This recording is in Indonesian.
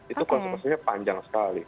itu konsekuensinya panjang sekali